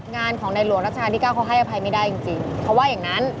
งานของในหลวงรัชกาลที่เก้าเขาให้อภัยไม่ได้จริงเขาว่าอย่างนั้น